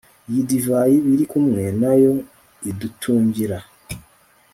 iyi divayi biri kumwe, nayo idutungira